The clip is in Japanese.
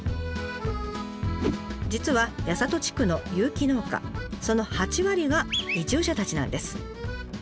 実は八郷地区の有機農家その８割が移住者たちなんです。